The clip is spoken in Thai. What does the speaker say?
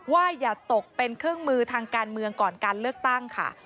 อย่าตกเป็นเครื่องมือทางการเมืองก่อนการเลือกตั้งค่ะ